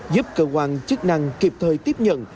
giúp cơ quan chức năng kịp thời tiếp nhận